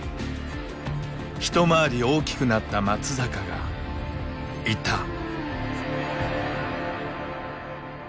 一回り大きくなった松坂がいた。